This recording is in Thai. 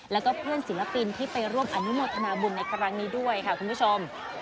แล้วก็เพื่อนศิลปินที่ไปร่วมอนุโมทนาบุญในครั้งนี้ด้วยค่ะคุณผู้ชม